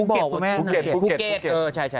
ภูเกศเออใช่